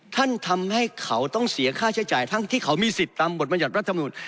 ท่านทำให้เขาต้องเสียค่าใช้จ่ายทั้งที่เขามีสิทธิ์ตามบทบรรยัติรัฐมนุน